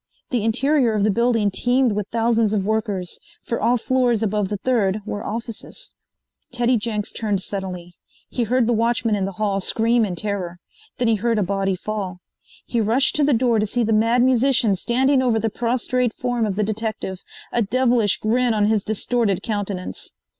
The interior of the building teemed with thousands of workers, for all floors above the third were offices. Teddy Jenks turned suddenly. He heard the watchman in the hall scream in terror. Then he heard a body fall. He rushed to the door to see the Mad Musician standing over the prostrate form of the detective, a devilish grin on his distorted countenance.